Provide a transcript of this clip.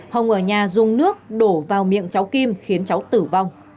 hồng ở nhà dùng nước đổ vào miệng cháu kim khiến cháu tử vong